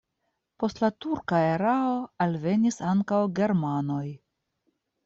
Post la turka erao alvenis ankaŭ germanoj.